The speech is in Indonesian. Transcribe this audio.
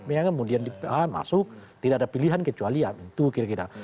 kemudian masuk tidak ada pilihan kecuali itu kira kira